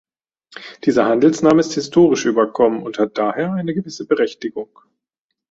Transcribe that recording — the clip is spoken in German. Dieser Handelsname ist historisch überkommen und hat daher eine gewisse Berechtigung.